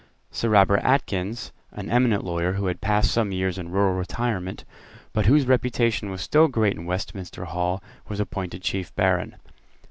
Sir Robert Atkyns, an eminent lawyer, who had passed some years in rural retirement, but whose reputation was still great in Westminster Hall, was appointed Chief Baron.